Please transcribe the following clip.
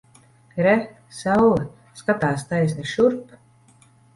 Re! Saule! Skatās taisni šurp!